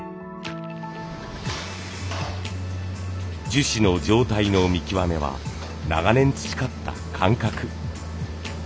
樹脂の状態の見極めは長年培った感覚。